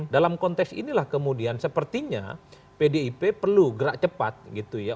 dalam konteks inilah kemudian sepertinya pdip perlu gerak cepat gitu ya